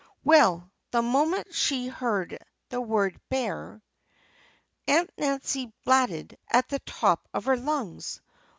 _ Page 87] Well, the moment she heard the word bear Aunt Nancy blatted at the top of her lungs.